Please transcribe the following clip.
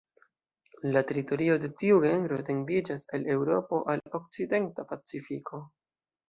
La teritorioj de tiu genro etendiĝas el Eŭropo al okcidenta Pacifiko.